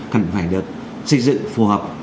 cần phải được xây dựng phù hợp